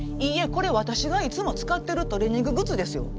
これ私がいつも使ってるトレーニンググッズですよ！